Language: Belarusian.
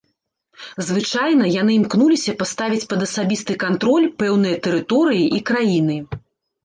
Звычайна яны імкнуліся паставіць пад асабісты кантроль пэўныя тэрыторыі і краіны.